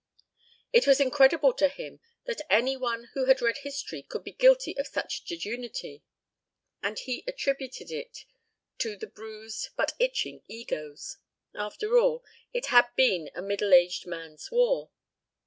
It was incredible to him that any one who had read history could be guilty of such jejunity, and he attributed it to their bruised but itching egos. After all, it had been a middle aged man's war.